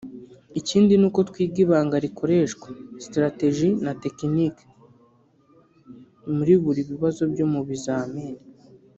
Ikindi nuko twiga ibanga rikoreshwa (strategies na technics) muri buri bibazo byo mu bizamini